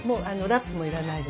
ラップ要らない？